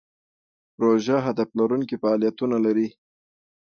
پروژه هدف لرونکي فعالیتونه لري.